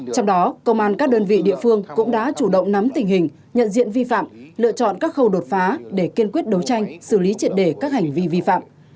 trong đó công an các đơn vị địa phương cũng đã chủ động nắm tình hình nhận diện vi phạm lựa chọn các khâu đột phá để kiên quyết đấu tranh xử lý triệt đề các hành vi vi phạm